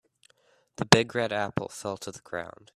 The big red apple fell to the ground.